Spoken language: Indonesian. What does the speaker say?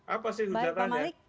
apa sih hujatannya